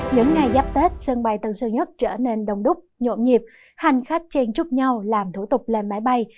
những ngày giáp tết sân bay tân sơn nhất trở nên đông đúc nhộn nhịp hành khách chen chúc nhau làm thủ tục lên máy bay